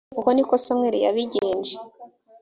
uko ni ko samweli yabigenje